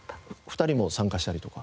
２人も参加したりとか？